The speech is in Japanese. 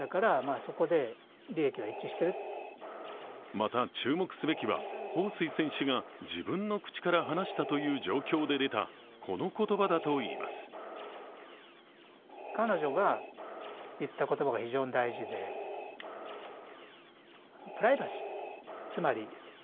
また、注目すべきは彭帥選手が自分の口から話したという状況で出たこの言葉だといいます。